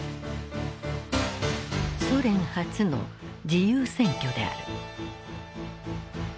ソ連初の自由選挙である。